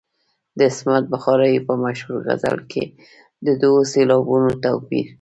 د عصمت بخارايي په مشهور غزل کې د دوو سېلابونو توپیر.